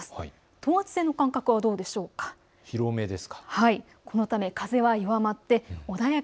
等圧線の間隔はどうでしょうか。